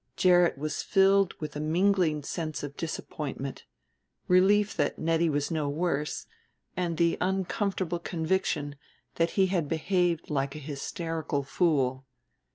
Gerrit was filled with a mingling sense of disappointment, relief that Nettie was no worse, and the uncomfortable conviction that he had behaved like an hysterical fool.